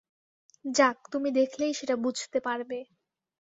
যাক, তুমি দেখলেই সেটা বুঝতে পারবে।